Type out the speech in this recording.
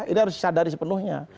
ini harus disadari sepenuhnya